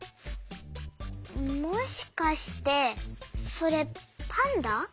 もしかしてそれパンダ？